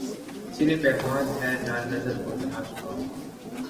سینے پہ ہاتھ ہے نہ نظر کو تلاش بام